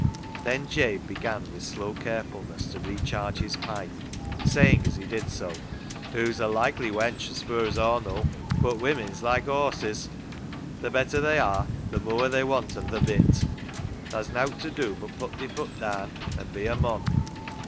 Then Jabe began with slow carefulness to recharge his pipe, saying as he did so —" Hoo's a likely wench as fur as Aw knaw. But women's like horses, — the better they are, the mooar they wanten th' bit. Tha's nowt ta do but put thi foot daan an' be a mon."